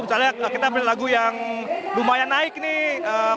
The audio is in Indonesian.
misalnya kita beli lagu yang lumayan naik nih